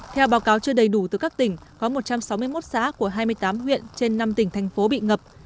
theo báo cáo chưa đầy đủ từ các tỉnh có một trăm sáu mươi một xã của hai mươi tám huyện trên năm tỉnh thành phố bị ngập